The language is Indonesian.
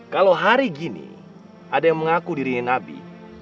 kalau hari gini ada yang mengaku dirinya nabi